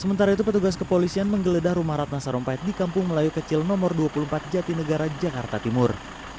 sementara itu petugas kepolisian menggeledah rumah ratna sarumpait di kampung melayu kecil nomor dua puluh empat jati negara jakarta timur